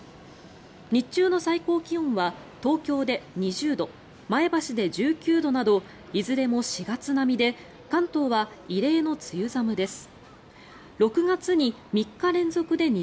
日中の最高気温は東京で２０度前橋で１９度などいずれも４月並みで関東は異例の梅雨寒です。